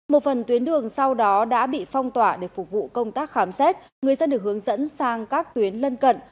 một phần tuyến đường sau đó đã bị phong tỏa để phục vụ công tác khám xét người dân được hướng dẫn sang các tuyến lân cận